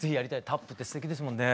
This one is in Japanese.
タップってすてきですもんね。